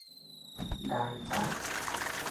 ได้จ๊ะ